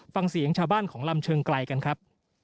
ฟังเสียงชาวบ้านของลำเชิงไกลกันครับ